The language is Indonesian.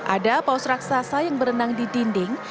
ada paus raksasa yang berenang di dinding